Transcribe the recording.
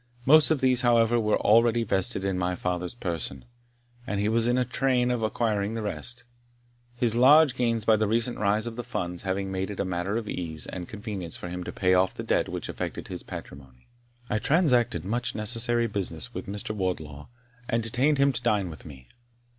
Most of these, however, were already vested in my father's person, and he was in a train of acquiring the rest; his large gains by the recent rise of the funds having made it a matter of ease and convenience for him to pay off the debt which affected his patrimony. I transacted much necessary business with Mr. Wardlaw, and detained him to dine with me.